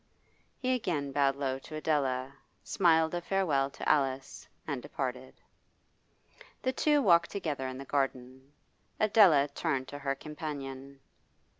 He again bowed low to Adela, smiled a farewell to Alice, and departed. The two walked together in the garden. Adela turned to her companion.